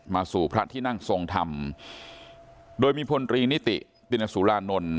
สู่พระที่นั่งทรงธรรมโดยมีพลตรีนิติตินสุรานนท์